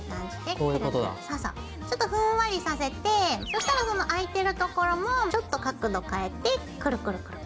ちょっとふんわりさせてそしたらその開いてるところもちょっと角度変えてクルクルクル。